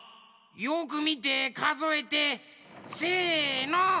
よくみてかぞえてせの！